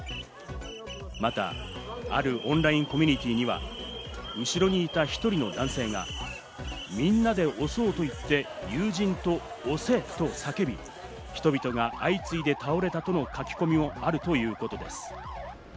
またあるオンラインコミュニティーには後ろにいた１人の男性がみんなで押そうと言って、友人と押せと叫び、人々が相次いで倒れたとの書き込みもあるということです。